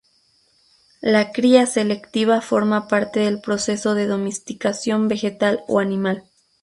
La cría selectiva forma parte del proceso de domesticación vegetal o animal.